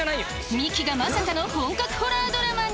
ミキがまさかの本格ホラードラマに！？